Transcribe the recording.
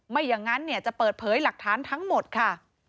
ไม่อย่างนั้นจะเปิดเผยหลักฐานทั้งหมดค่ะ